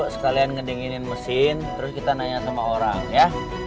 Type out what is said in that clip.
sekalian ngedinginin mesin terus kita nanya sama orang ya